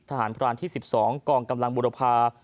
พรานที่๑๒กองกำลังบุรพา